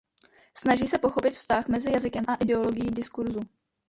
Snaží se pochopit vztah mezi jazykem a ideologií diskurzu.